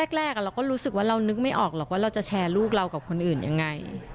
แรกเราก็รู้สึกว่าเรานึกไม่ออกหรอกว่าเราจะแชร์ลูกเรากับคนอื่นยังไง